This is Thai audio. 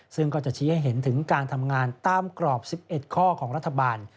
ซึ่งก็จะชี้ให้เห็นถึงการทำงานตามกรอบ๑๑ข้อของรัฐบาล